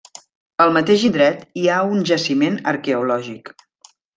Al mateix indret hi ha un jaciment arqueològic.